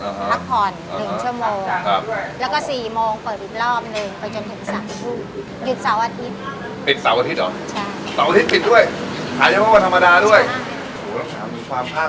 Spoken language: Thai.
คือมันเป็นอาชีพอิสระจริงแล้วตัวเองนี่ก็เคยไปทำงาน